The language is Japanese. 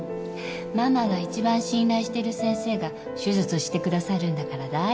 ママが一番信頼してる先生が手術してくださるんだから大丈夫。